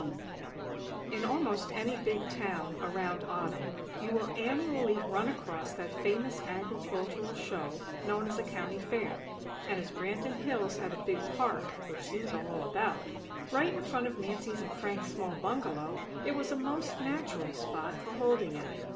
XIV In almost any big town, around Autumn, you will annually run across that famous agricultural show known as a County Fair; and, as Branton Hills had a big park, which you know all about, right in front of Nancy's and Frank's small bungalow, it was a most natural spot for holding it.